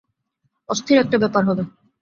অস্থির একটা ব্যাপার হবে।